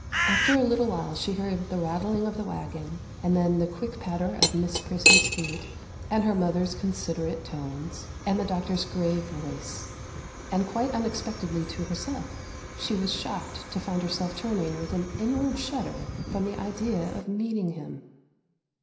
After a little while she heard the rattling of the waggon, and then the quick patter of Miss Prissy's feet, and her mother's considerate tones, and the Doctor's grave voice, and quite unexpectedly to herself she was shocked to find herself turning with an inward shudder from the idea of meeting him.